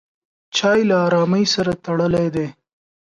چای له ارامۍ سره تړلی دی.